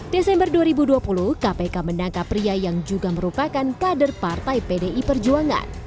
desember dua ribu dua puluh kpk menangkap pria yang juga merupakan kader partai pdi perjuangan